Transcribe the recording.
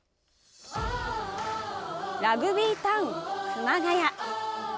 ラグビータウン熊谷。